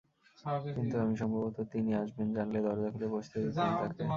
কিন্তু আমি সম্ভবত তিনি আসবেন জানলে দরজা খুলে বসতে দিতাম তাঁকে।